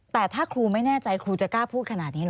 แต่ถ้าครูไม่แน่ใจครูจะกล้าพูดขนาดนี้เหรอ